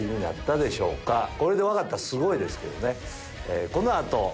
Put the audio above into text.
これで分かったらすごいですけどね。